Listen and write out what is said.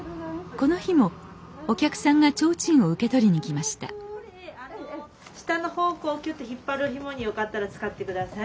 この日もお客さんが提灯を受け取りに来ました下の方こうきゅっと引っ張るひもによかったら使って下さい。